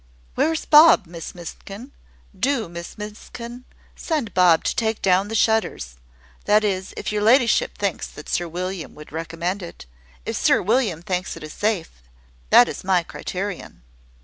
"Where's Bob, Miss Miskin? Do, Miss Miskin, send Bob to take down the shutters: that is, if your ladyship thinks that Sir William would recommend it. If Sir William thinks it safe, that is my criterion."